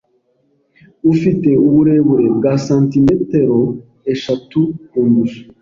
Ufite uburebure bwa santimetero eshatu kundusha.